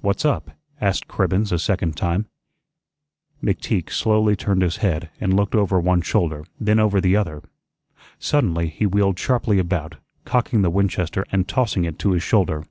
"What's up?" asked Cribbens a second time. McTeague slowly turned his head and looked over one shoulder, then over the other. Suddenly he wheeled sharply about, cocking the Winchester and tossing it to his shoulder.